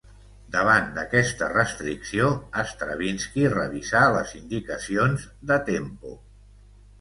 Davant d'aquesta restricció Stravinski revisà les indicacions de tempo.